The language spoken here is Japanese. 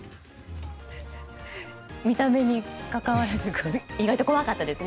見た目にかかわらず意外と怖かったですね。